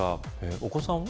お子さんは？